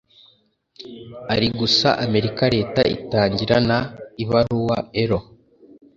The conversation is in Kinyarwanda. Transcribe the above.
Ari gusa Amerika Leta itangira na Ibaruwa L?